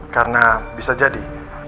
karena bisa jadi